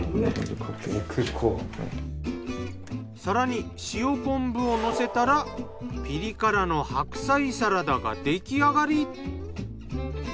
更に塩昆布をのせたらピリ辛の白菜サラダが出来上がり。